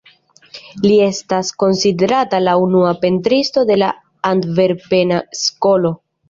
Li estas konsiderata la unua pentristo de la Antverpena Skolo.